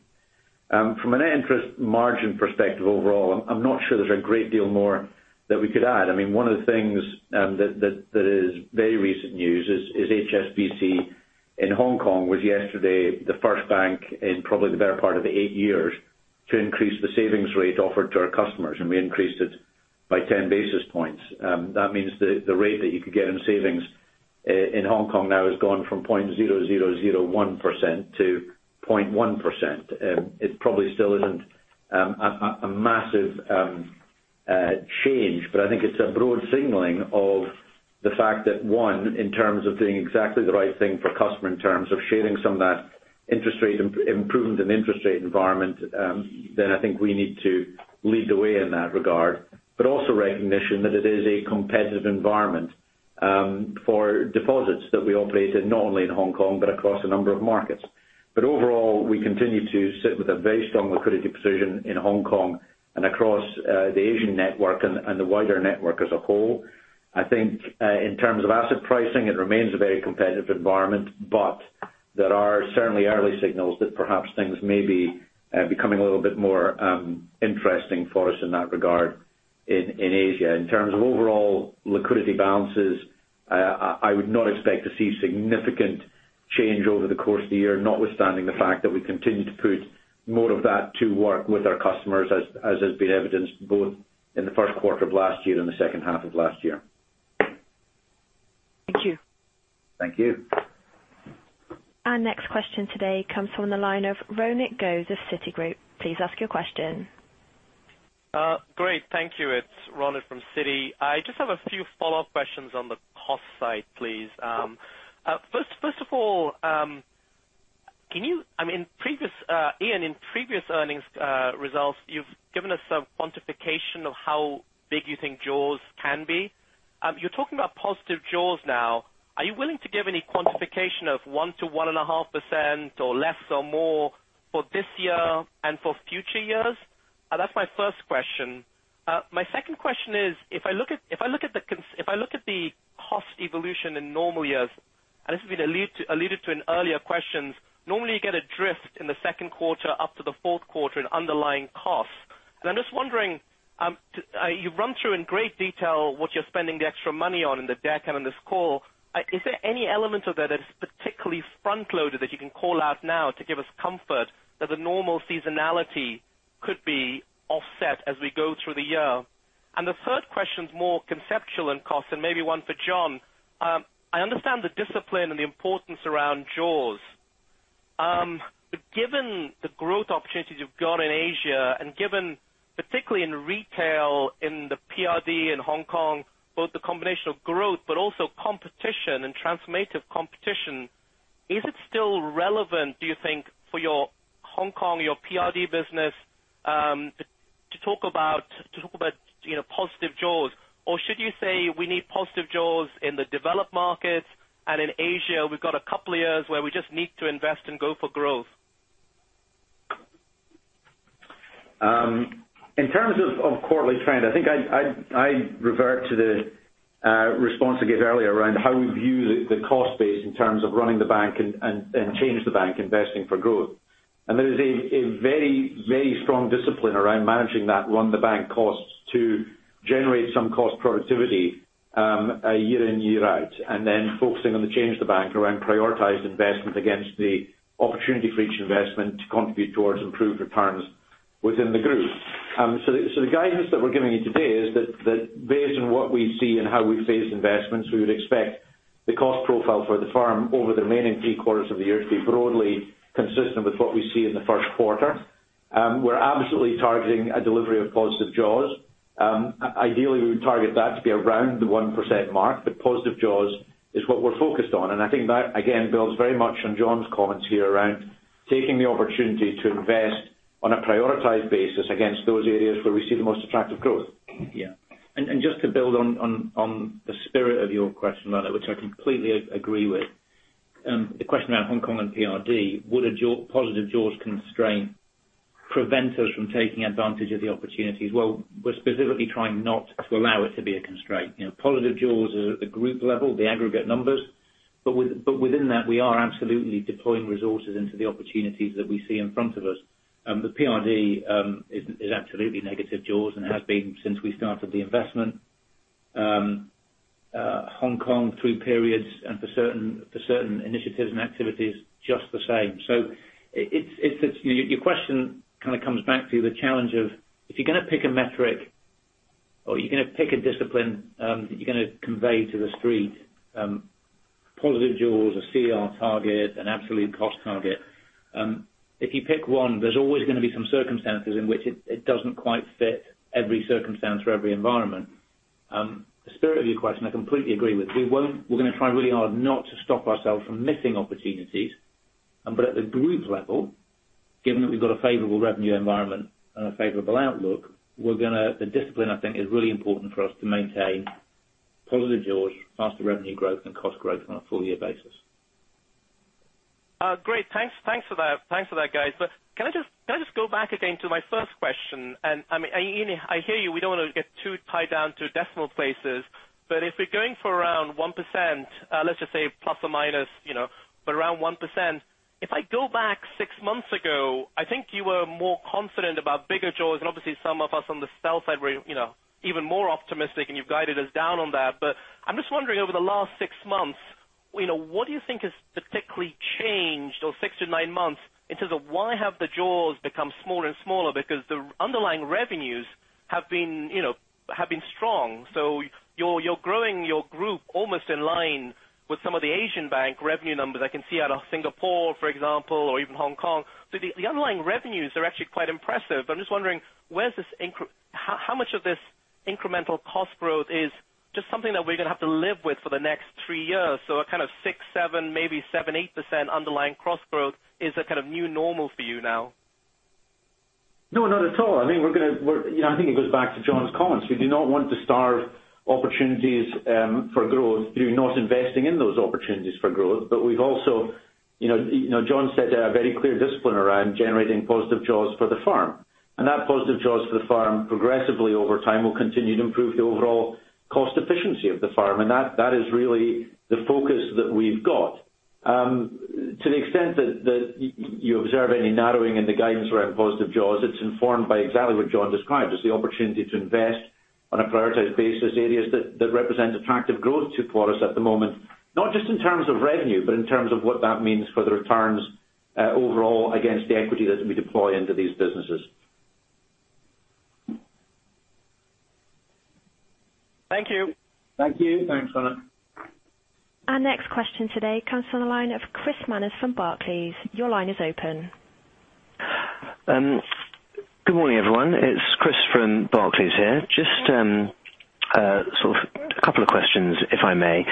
From a net interest margin perspective overall, I'm not sure there's a great deal more that we could add. One of the things that is very recent news is HSBC in Hong Kong was yesterday the first bank in probably the better part of the eight years to increase the savings rate offered to our customers, and we increased it by 10 basis points. That means the rate that you could get in savings in Hong Kong now has gone from 0.0001% to 0.1%. It probably still isn't a massive change, but I think it's a broad signaling of the fact that, one, in terms of doing exactly the right thing for customer in terms of sharing some of that improvement in interest rate environment, then I think we need to lead the way in that regard. Also recognition that it is a competitive environment for deposits that we operate in, not only in Hong Kong but across a number of markets. Overall, we continue to sit with a very strong liquidity position in Hong Kong and across the Asian network and the wider network as a whole. I think in terms of asset pricing, it remains a very competitive environment, but there are certainly early signals that perhaps things may be becoming a little bit more interesting for us in that regard in Asia. In terms of overall liquidity balances, I would not expect to see significant change over the course of the year, notwithstanding the fact that we continue to put more of that to work with our customers as has been evidenced both in the first quarter of last year and the second half of last year. Thank you. Thank you. Our next question today comes from the line of Ronit Ghose of Citigroup. Please ask your question. Great. Thank you. It's Ronit from Citi. I just have a few follow-up questions on the cost side, please. First of all, Iain, in previous earnings results, you've given us some quantification of how big you think jaws can be. You're talking about positive jaws now. Are you willing to give any quantification of 1%-1.5% or less or more for this year and for future years? That's my first question. My second question is, if I look at the cost evolution in normal years, and this has been alluded to in earlier questions, normally you get a drift in the second quarter up to the fourth quarter in underlying costs. I'm just wondering, you've run through in great detail what you're spending the extra money on in the deck and on this call. Is there any element of it that is particularly front-loaded that you can call out now to give us comfort that the normal seasonality could be offset as we go through the year? The third question is more conceptual in costs and maybe one for John. I understand the discipline and the importance around jaws. Given the growth opportunities you've got in Asia, and given particularly in retail, in the PRD, in Hong Kong, both the combination of growth but also competition and transformative competition, is it still relevant, do you think, for your Hong Kong, your PRD business, to talk about positive jaws? Should you say we need positive jaws in the developed markets, and in Asia, we've got a couple of years where we just need to invest and go for growth? In terms of quarterly trend, I think I revert to the response I gave earlier around how we view the cost base in terms of running the bank and change the bank investing for growth. There is a very strong discipline around managing that run the bank costs to generate some cost productivity year in, year out, and then focusing on the change the bank around prioritized investment against the opportunity for each investment to contribute towards improved returns within the group. The guidance that we're giving you today is that based on what we see and how we phase investments, we would expect the cost profile for the firm over the remaining three quarters of the year to be broadly consistent with what we see in the first quarter. We're absolutely targeting a delivery of positive jaws. Ideally, we would target that to be around the 1% mark, positive jaws is what we're focused on. I think that, again, builds very much on John's comments here around taking the opportunity to invest on a prioritized basis against those areas where we see the most attractive growth. Yeah. Just to build on the spirit of your question, Ronit, which I completely agree with. The question about Hong Kong and PRD. Would a positive jaws constraint prevent us from taking advantage of the opportunities? Well, we're specifically trying not to allow it to be a constraint. Positive jaws at the group level, the aggregate numbers. Within that, we are absolutely deploying resources into the opportunities that we see in front of us. The PRD is absolutely negative jaws and has been since we started the investment. Hong Kong through periods and for certain initiatives and activities, just the same. Your question kind of comes back to the challenge of, if you're going to pick a metric or you're going to pick a discipline that you're going to convey to the street, positive jaws, a CR target, an absolute cost target. If you pick one, there's always going to be some circumstances in which it doesn't quite fit every circumstance for every environment. The spirit of your question, I completely agree with. We're going to try really hard not to stop ourselves from missing opportunities. At the group level, given that we've got a favorable revenue environment and a favorable outlook, the discipline I think is really important for us to maintain positive jaws, faster revenue growth and cost growth on a full year basis. Great. Thanks for that, guys. Can I just go back again to my first question? I hear you, we don't want to get too tied down to decimal places. If we're going for around 1%, let's just say plus or minus, but around 1%. If I go back six months ago, I think you were more confident about bigger jaws, and obviously some of us on the sell side were even more optimistic and you've guided us down on that. I'm just wondering, over the last six months, what do you think has particularly changed, or six to nine months, in terms of why have the jaws become smaller and smaller? The underlying revenues have been strong. You're growing your group almost in line with some of the Asian bank revenue numbers. I can see out of Singapore, for example, or even Hong Kong. The underlying revenues are actually quite impressive. I'm just wondering, how much of this incremental cost growth is just something that we're going to have to live with for the next three years? A kind of 6%-7%, maybe 7%-8% underlying cost growth is a kind of new normal for you now. No, not at all. I think it goes back to John's comments. We do not want to starve opportunities for growth through not investing in those opportunities for growth. John set a very clear discipline around generating positive jaws for the firm. That positive jaws for the firm progressively over time will continue to improve the overall cost efficiency of the firm. That is really the focus that we've got. To the extent that you observe any narrowing in the guidance around positive jaws, it's informed by exactly what John described. It's the opportunity to invest on a prioritized basis areas that represent attractive growth to quotas at the moment. Not just in terms of revenue, but in terms of what that means for the returns overall against the equity that we deploy into these businesses. Thank you. Thank you. Thanks, Ronit. Our next question today comes from the line of Chris Manners from Barclays. Your line is open. Good morning, everyone. It's Chris from Barclays here. Just a couple of questions, if I may.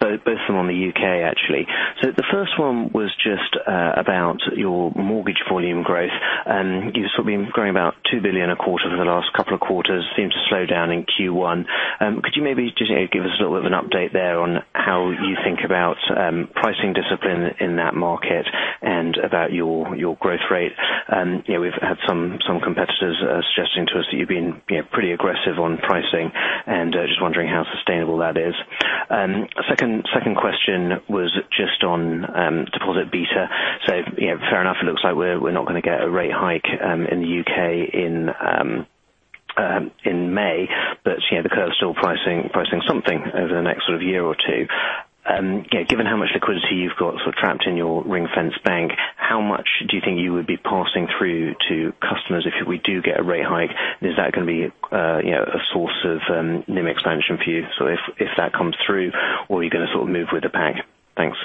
Both of them on the U.K., actually. The first one was just about your mortgage volume growth. You've sort of been growing about $2 billion a quarter for the last couple of quarters, seemed to slow down in Q1. Could you maybe just give us a little bit of an update there on how you think about pricing discipline in that market and about your growth rate? We've had some competitors suggesting to us that you've been pretty aggressive on pricing, and just wondering how sustainable that is. Second question was just on deposit beta. Fair enough, it looks like we're not going to get a rate hike in the U.K. in May. The curve's still pricing something over the next sort of year or two. Given how much liquidity you've got trapped in your ring-fence bank, how much do you think you would be passing through to customers if we do get a rate hike? Is that going to be a source of NIM expansion for you, so if that comes through, or are you going to sort of move with the pack? Thanks.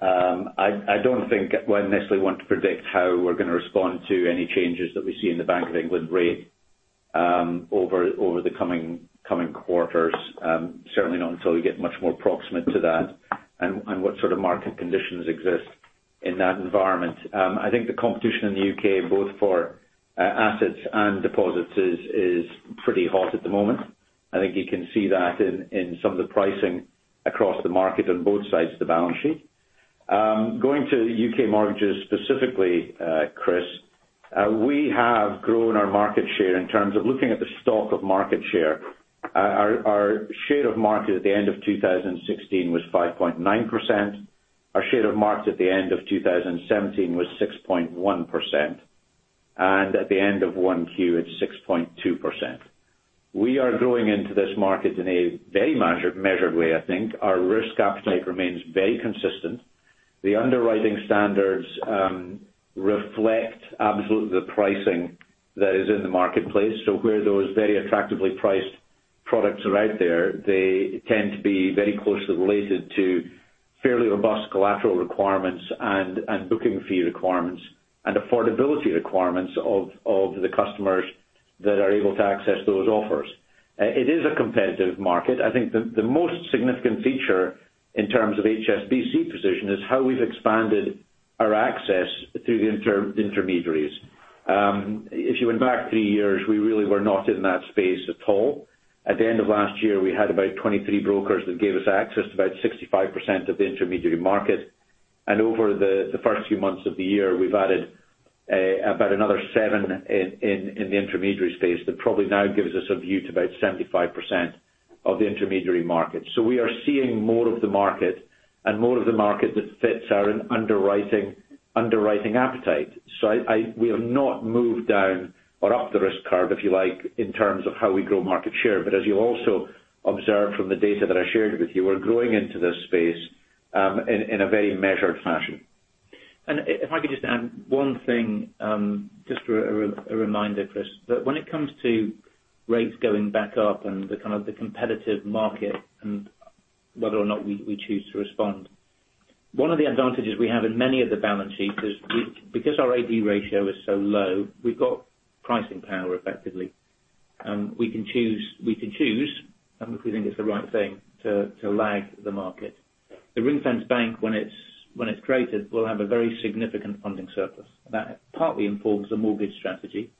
I don't think I necessarily want to predict how we're going to respond to any changes that we see in the Bank of England rate over the coming quarters. Certainly not until we get much more proximate to that and what sort of market conditions exist in that environment. I think the competition in the U.K., both for assets and deposits, is pretty hot at the moment. I think you can see that in some of the pricing across the market on both sides of the balance sheet. Going to U.K. mortgages specifically, Chris, we have grown our market share in terms of looking at the stock of market share. Our share of market at the end of 2016 was 5.9%. Our share of market at the end of 2017 was 6.1%, and at the end of 1Q, it's 6.2%. We are growing into this market in a very measured way, I think. Our risk appetite remains very consistent. The underwriting standards reflect absolutely the pricing that is in the marketplace. Where those very attractively priced products are out there, they tend to be very closely related to fairly robust collateral requirements and booking fee requirements and affordability requirements of the customers that are able to access those offers. It is a competitive market. I think the most significant feature in terms of HSBC position is how we've expanded our access through the intermediaries. If you went back three years, we really were not in that space at all. At the end of last year, we had about 23 brokers that gave us access to about 65% of the intermediary market. Over the first few months of the year, we've added about another seven in the intermediary space. That probably now gives us a view to about 75% of the intermediary market. We are seeing more of the market and more of the market that fits our underwriting appetite. We have not moved down or up the risk curve, if you like, in terms of how we grow market share. As you also observed from the data that I shared with you, we're growing into this space in a very measured fashion. If I could just add one thing, just a reminder, Chris. When it comes to rates going back up and the kind of the competitive market and whether or not we choose to respond, one of the advantages we have in many of the balance sheets is because our advances-to-deposits ratio is so low, we've got pricing power effectively. We can choose if we think it's the right thing to lag the market. The ring-fence bank, when it's created, will have a very significant funding surplus. That partly informs the mortgage strategy,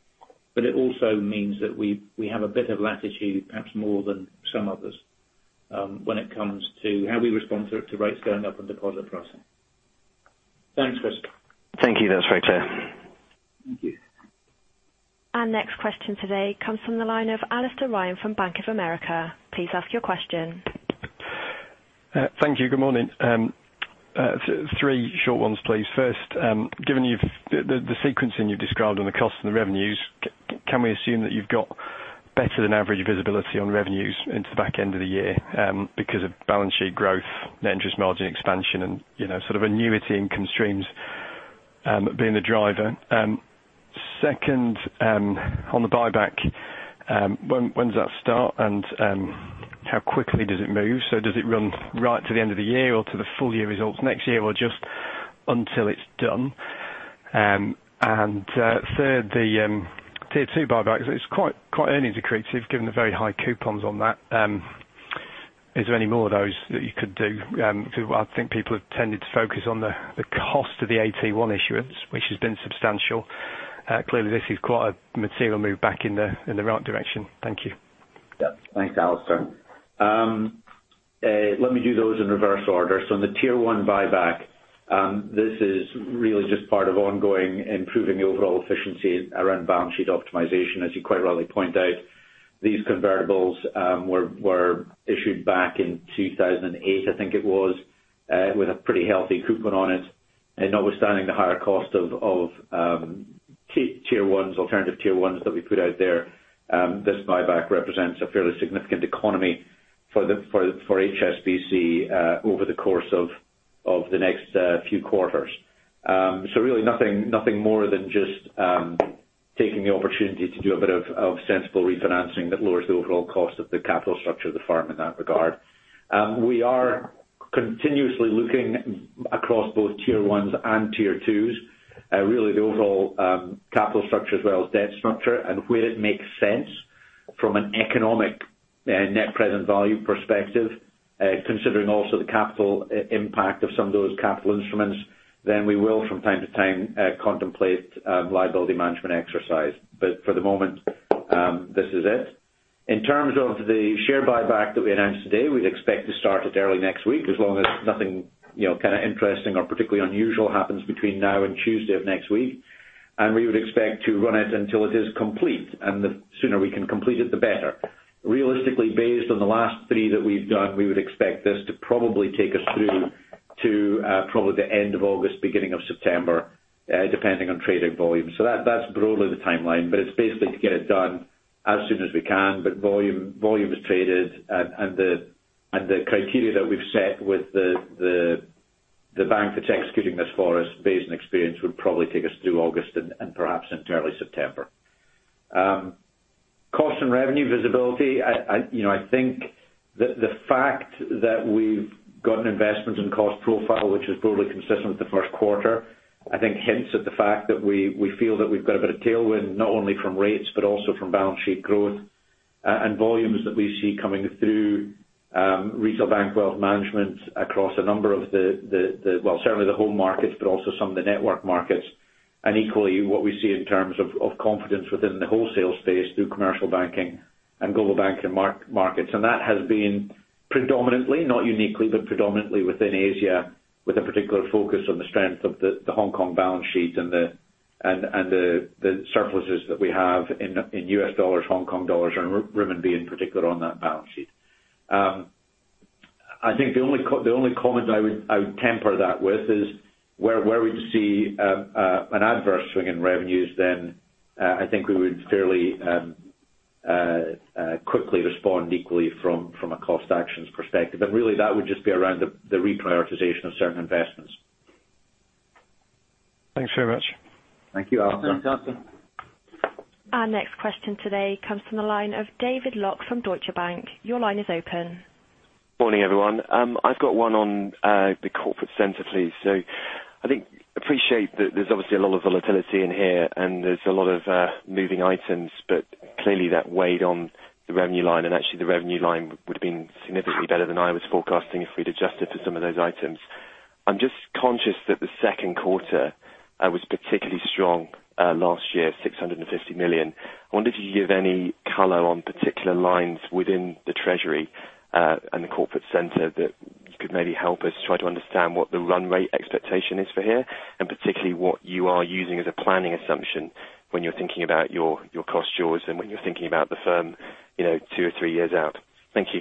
it also means that we have a bit of latitude, perhaps more than some others, when it comes to how we respond to rates going up and deposit pricing. Thanks, Chris. Thank you. That's very clear. Thank you. Our next question today comes from the line of Alastair Ryan from Bank of America. Please ask your question. Thank you. Good morning. Three short ones, please. First, given the sequencing you've described on the costs and the revenues, can we assume that you've got better than average visibility on revenues into the back end of the year because of balance sheet growth, net interest margin expansion, and sort of annuity income streams being the driver? Second, on the buyback, when does that start, and how quickly does it move? Does it run right to the end of the year or to the full year results next year? Or just until it's done? Third, the tier 2 buyback. It's quite earnings accretive, given the very high coupons on that. Is there any more of those that you could do? I think people have tended to focus on the cost of the AT1 issuance, which has been substantial. Clearly, this is quite a material move back in the right direction. Thank you. Thanks, Alastair. Let me do those in reverse order. On the tier one buyback, this is really just part of ongoing improving the overall efficiency around balance sheet optimization. As you quite rightly point out, these convertibles were issued back in 2008, I think it was, with a pretty healthy coupon on it. Notwithstanding the higher cost of tier ones, alternative tier ones that we put out there, this buyback represents a fairly significant economy for HSBC over the course of the next few quarters. Really nothing more than just taking the opportunity to do a bit of sensible refinancing that lowers the overall cost of the capital structure of the firm in that regard. We are continuously looking across both Tier 1s and Tier 2s. Really, the overall capital structure as well as debt structure and where it makes sense from an economic net present value perspective, considering also the capital impact of some of those capital instruments, then we will from time to time contemplate liability management exercise. For the moment, this is it. In terms of the share buyback that we announced today, we expect to start it early next week as long as nothing kind of interesting or particularly unusual happens between now and Tuesday of next week. We would expect to run it until it is complete, and the sooner we can complete it, the better. Realistically, based on the last three that we've done, we would expect this to probably take us through to probably the end of August, beginning of September depending on trading volume. That's broadly the timeline, but it's basically to get it done as soon as we can. Volume is traded and the criteria that we've set with the bank that's executing this for us based on experience would probably take us through August and perhaps into early September. Cost and revenue visibility. I think the fact that we've got an investment and cost profile, which is broadly consistent with the first quarter, I think hints at the fact that we feel that we've got a bit of tailwind, not only from rates but also from balance sheet growth. Volumes that we see coming through Retail Banking and Wealth Management across a number of the-- well, certainly the home markets, but also some of the network markets. Equally, what we see in terms of confidence within the wholesale space through Commercial Banking and Global Banking and Markets. That has been predominantly, not uniquely, but predominantly within Asia, with a particular focus on the strength of the Hong Kong balance sheet and the surpluses that we have in US dollars, Hong Kong dollars, and renminbi in particular on that balance sheet. I think the only comment I would temper that with is where we see an adverse swing in revenues, then I think we would fairly quickly respond equally from a cost actions perspective. Really that would just be around the reprioritization of certain investments. Thanks very much. Thank you, Alastair. Thanks, Alastair. Our next question today comes from the line of David Lock from Deutsche Bank. Your line is open. Morning, everyone. I've got one on the Corporate Center, please. I think appreciate that there's obviously a lot of volatility in here and there's a lot of moving items, but clearly that weighed on the revenue line and actually the revenue line would have been significantly better than I was forecasting if we'd adjusted for some of those items. I'm just conscious that the second quarter was particularly strong last year, $650 million. I wonder if you could give any color on particular lines within the treasury and the Corporate Center that could maybe help us try to understand what the run rate expectation is for here, and particularly what you are using as a planning assumption when you're thinking about your cost shores and when you're thinking about the firm two or three years out. Thank you.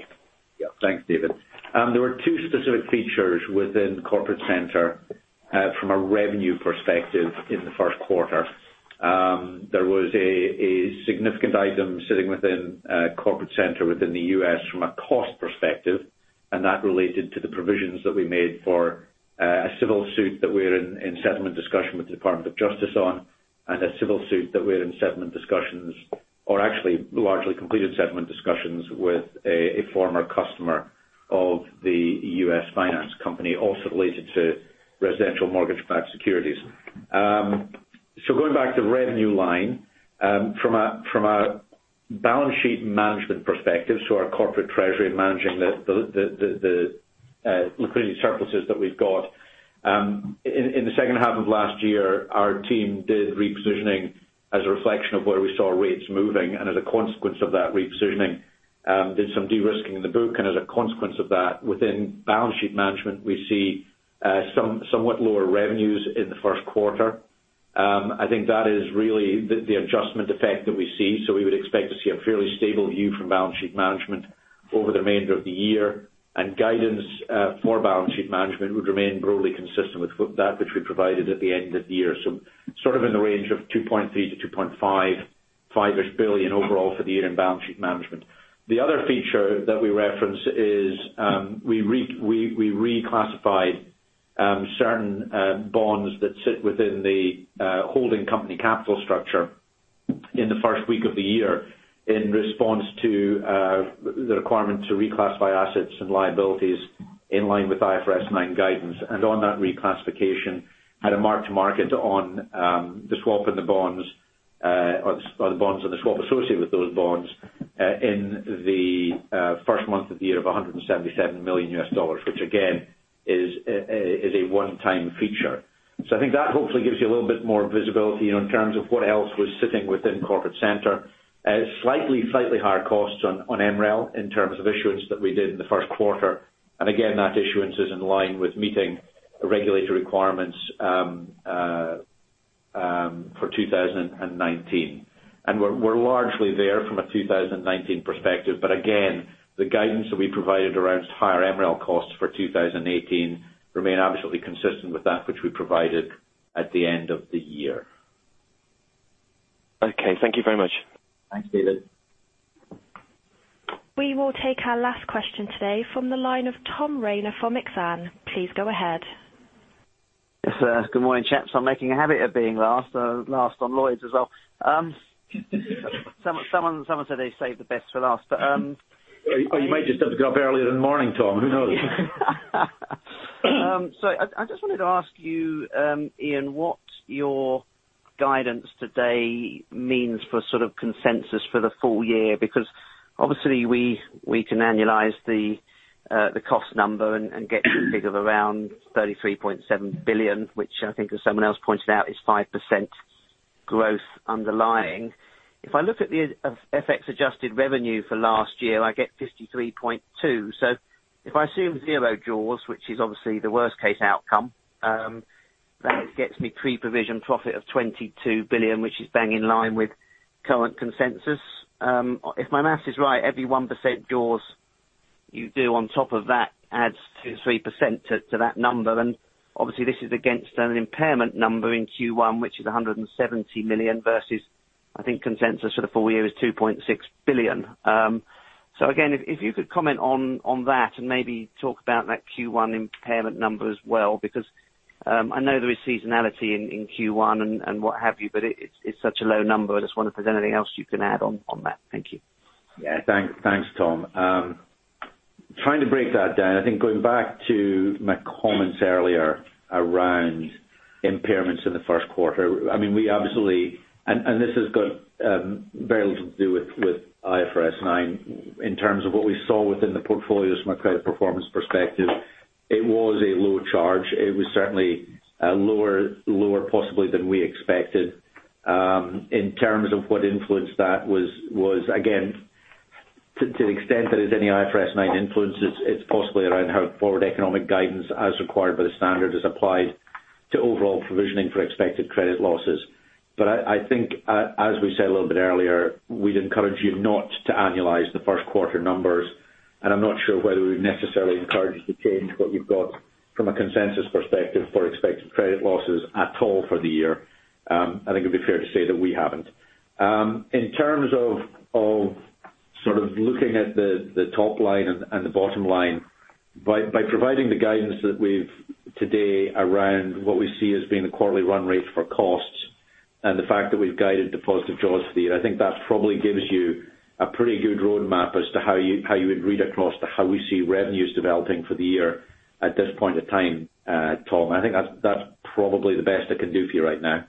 Yeah. Thanks, David. There were two specific features within Corporate Center, from a revenue perspective in the first quarter. There was a significant item sitting within Corporate Center within the U.S. from a cost perspective, and that related to the provisions that we made for a civil suit that we're in settlement discussion with the Department of Justice on, and a civil suit that we're in settlement discussions, or actually largely completed settlement discussions with a former customer of the U.S. finance company, also related to residential mortgage-backed securities. Going back to revenue line. From a balance sheet management perspective, our corporate treasury managing the liquidity surpluses that we've got. In the second half of last year, our team did repositioning as a reflection of where we saw rates moving. As a consequence of that repositioning, did some de-risking in the book. As a consequence of that, within balance sheet management, we see somewhat lower revenues in the first quarter. I think that is really the adjustment effect that we see. We would expect to see a fairly stable view from balance sheet management over the remainder of the year. Guidance for balance sheet management would remain broadly consistent with that which we provided at the end of the year. Sort of in the range of $2.3 billion-$2.5 billion overall for the year in balance sheet management. The other feature that we reference is we reclassified certain bonds that sit within the holding company capital structure in the first week of the year in response to the requirement to reclassify assets and liabilities in line with IFRS 9 guidance. On that reclassification, had a mark to market on the swap and the bonds, or the bonds and the swap associated with those bonds, in the first month of the year of $177 million, which again, is a one-time feature. I think that hopefully gives you a little bit more visibility in terms of what else was sitting within Corporate Center. Slightly higher costs on MREL in terms of issuance that we did in the first quarter. Again, that issuance is in line with meeting regulatory requirements for 2019. We're largely there from a 2019 perspective, but again, the guidance that we provided around higher MREL costs for 2018 remain absolutely consistent with that which we provided at the end of the year. Okay. Thank you very much. Thanks, David. We will take our last question today from the line of Tom Rayner from Exane. Please go ahead. Yes, good morning, chaps. I'm making a habit of being last. Last on Lloyds as well. Someone said they saved the best for last. You might just have to get up earlier in the morning, Tom. Who knows? I just wanted to ask you, Iain, what your guidance today means for consensus for the full year. Because obviously we can annualize the cost number and get something of around $33.7 billion, which I think as someone else pointed out, is 5% growth underlying. If I look at the FX adjusted revenue for last year, I get $53.2. If I assume zero jaws, which is obviously the worst case outcome, that gets me pre-provision profit of $22 billion, which is bang in line with current consensus. If my math is right, every 1% jaws you do on top of that adds 2%, 3% to that number. This is against an impairment number in Q1, which is $170 million versus, I think consensus for the full year is $2.6 billion. Again, if you could comment on that and maybe talk about that Q1 impairment number as well, because, I know there is seasonality in Q1 and what have you, but it's such a low number. I just wonder if there's anything else you can add on that. Thank you. Yeah, thanks, Tom. Trying to break that down, I think going back to my comments earlier around impairments in the first quarter. This has got very little to do with IFRS 9 in terms of what we saw within the portfolios from a credit performance perspective, it was a low charge. It was certainly lower possibly than we expected. In terms of what influenced that was, again, to the extent that there's any IFRS 9 influence, it's possibly around how forward economic guidance as required by the standard is applied to overall provisioning for expected credit losses. I think, as we said a little bit earlier, we'd encourage you not to annualize the first quarter numbers, and I'm not sure whether we'd necessarily encourage you to change what you've got from a consensus perspective for expected credit losses at all for the year. I think it'd be fair to say that we haven't. In terms of looking at the top line and the bottom line, by providing the guidance that we've today around what we see as being the quarterly run rate for costs and the fact that we've guided the positive jaws feed, I think that probably gives you a pretty good roadmap as to how you would read across to how we see revenues developing for the year at this point in time, Tom. I think that's probably the best I can do for you right now.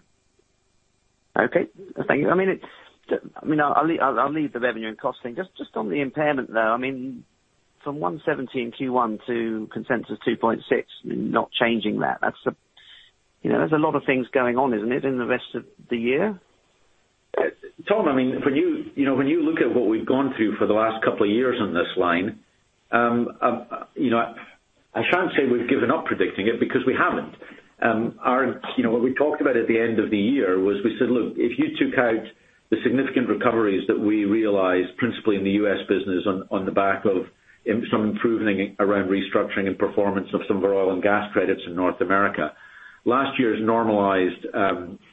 Okay. Thank you. I'll leave the revenue and cost thing. Just on the impairment, though. From $117 Q1 to consensus $2.6, not changing that, there's a lot of things going on, isn't it, in the rest of the year? Tom, when you look at what we've gone through for the last couple of years on this line, I shan't say we've given up predicting it, because we haven't. What we talked about at the end of the year was we said, look, if you took out the significant recoveries that we realized principally in the U.S. business on the back of some improving around restructuring and performance of some of our oil and gas credits in North America. Last year's normalized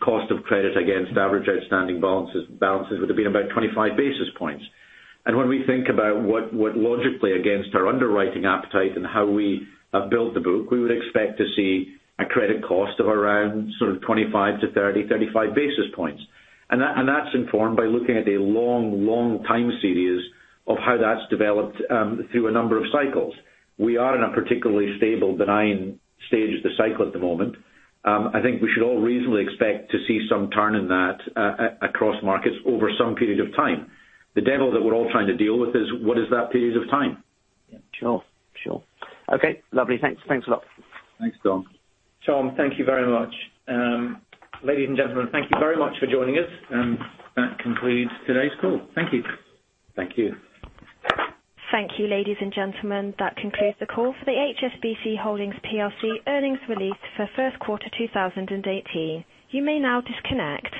cost of credit against average outstanding balances would have been about 25 basis points. When we think about what logically against our underwriting appetite and how we build the book, we would expect to see a credit cost of around sort of 25 to 30, 35 basis points. That's informed by looking at a long, long time series of how that's developed through a number of cycles. We are in a particularly stable benign stage of the cycle at the moment. I think we should all reasonably expect to see some turn in that across markets over some period of time. The devil that we're all trying to deal with is what is that period of time? Yeah. Sure. Okay, lovely. Thanks. Thanks a lot. Thanks, Tom. Tom, thank you very much. Ladies and gentlemen, thank you very much for joining us. That concludes today's call. Thank you. Thank you. Thank you, ladies and gentlemen. That concludes the call for the HSBC Holdings plc earnings release for first quarter 2018. You may now disconnect.